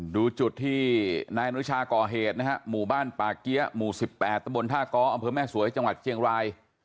ดูจุดที่นายอนุชาก่อเหตุนะฮะหมู่บ้านป่าเกี้ยหมู่๑๘ตะบนท่าก้ออำเภอแม่สวยจังหวัดเชียงราย